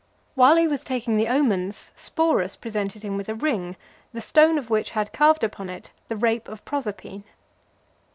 While he was taking (375) the omens, Sporus presented him with a ring, the stone of which had carved upon it the Rape of Proserpine.